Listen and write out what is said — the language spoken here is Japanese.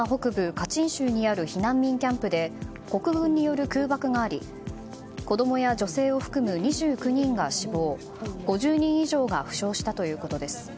カチン州にある避難民キャンプで国軍による空爆があり子供や女性を含む２９人が死亡５０人以上が負傷したということです。